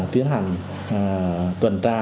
tiến hành tuần tra